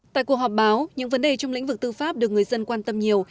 tại cuộc họp báo những vấn đề trong lĩnh vực tư pháp được người dân quan tâm nhiều